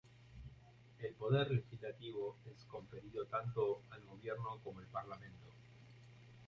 El poder legislativo es conferido tanto al gobierno como el parlamento.